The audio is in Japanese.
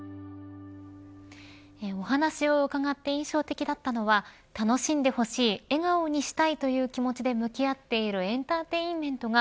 お話を伺って印象的だったのは楽しんでほしい、笑顔にしたいという気持ちで向き合っているエンターテインメントが